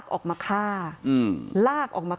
กลุ่มวัยรุ่นกลัวว่าจะไม่ได้รับความเป็นธรรมทางด้านคดีจะคืบหน้า